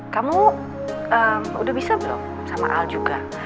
kamu udah bisa belum sama al juga